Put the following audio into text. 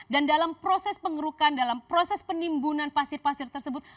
dan dalam proses pengerukan dalam proses penimbunan pasir pasir tersebut